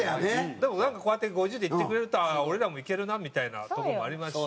でもなんかこうやって５０で行ってくれると俺らも行けるなみたいなとこもありますし。